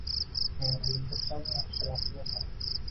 Men kuyib tursam, yaxshiroq yuvasan.